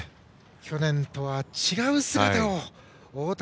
去年とは違う姿を太田彪